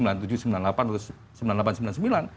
atau sembilan puluh delapan sembilan puluh sembilan